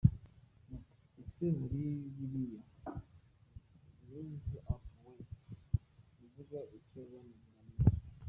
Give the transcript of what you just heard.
Muti ese muri biriya « Mise au point » ivuga, icyo banengaga ni iki ?